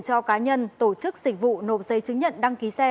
cho cá nhân tổ chức dịch vụ nộp giấy chứng nhận đăng ký xe